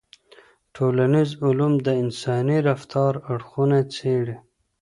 ټولنيز علوم د انساني رفتار اړخونه څېړي.